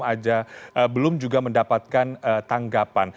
kami juga belum mendapatkan tanggapan